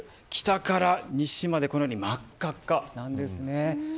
北から西まで真っ赤っかなんです。